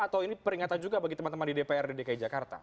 atau ini peringatan juga bagi teman teman di dprd dki jakarta